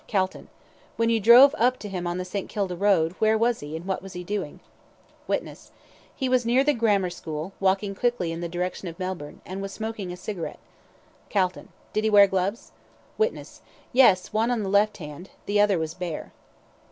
CALTON: When you drove up to him on the St. Kilda Road, where was he, and what was he doing? WITNESS: He was near the Grammar School, walking quickly in the direction of Melbourne, and was smoking a cigarette. CALTON: Did he wear gloves? WITNESS: Yes, one on the left hand, the other was bare.